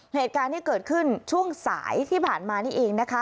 เหตุการณ์ที่เกิดขึ้นช่วงสายที่ผ่านมานี่เองนะคะ